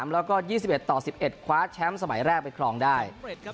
แล้วก็๒๑ต่อ๑๑คว้าแชมป์สมัยแรกไปครองได้